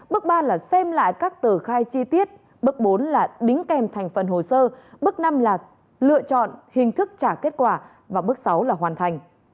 bước ba là xem lại các tờ khai chi tiết bước bốn là đính kèm thành phần hồ sơ bước năm là lựa chọn hình thức trả kết quả và bước sáu là hoàn thành